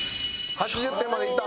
８０点までいった。